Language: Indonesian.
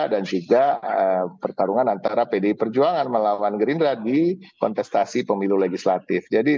dan juga pertarungan antara pdi perjuangan melawan gerindra di kontestasi pemilu legislatif